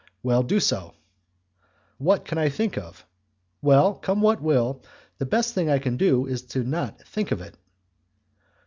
"Well, do so." "What can I think of? Well, come what will; the best thing I can do is not to think of it."